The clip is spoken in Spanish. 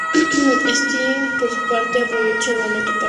Stewie por su parte aprovecha el momento para huir.